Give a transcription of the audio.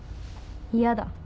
嫌だ。